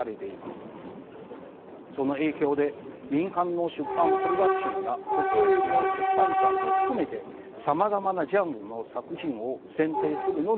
その影響で民間の出版プロダクションや国営の出版社も含めてさまざまなジャンルの作品を選定するのに神経を使います。